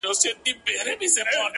ژوند در ډالۍ دى تاته!